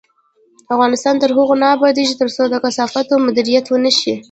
افغانستان تر هغو نه ابادیږي، ترڅو د کثافاتو مدیریت ونشي.